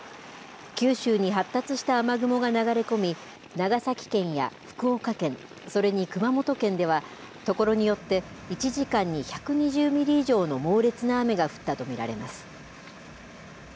九州に発達した雨雲が流れ込み、長崎県や福岡県、それに熊本県では、所によって、１時間に１２０ミリ以上の猛烈な雨が降ったと見られます。